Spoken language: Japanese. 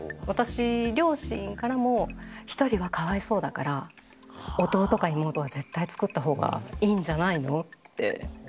私両親からもひとりはかわいそうだから弟か妹は絶対作った方がいいんじゃないのって。